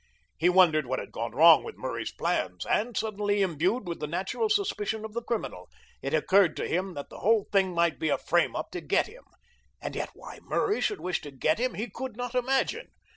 He wondered what had gone wrong with Murray's plans, and, suddenly imbued with the natural suspicion of the criminal, it occurred to him that the whole thing might be a frame up to get him; and yet why Murray should wish to get him he could not imagine.